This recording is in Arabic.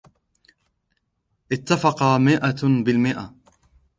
اتفق مائه بالمئه.